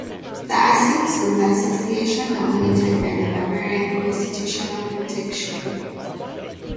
The assets of the association are monitored by the Bavarian constitutional protection.